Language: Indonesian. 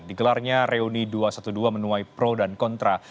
digelarnya reuni dua ratus dua belas menuai pro dan kontra